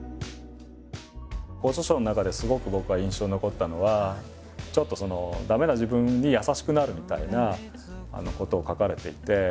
ご著書の中ですごく僕が印象に残ったのはちょっとその駄目な自分に優しくなるみたいなことを書かれていて。